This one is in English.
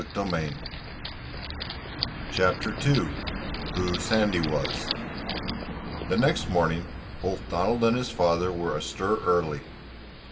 Chapter II WHO SANDY WAS The next morning both Donald and his father were astir early.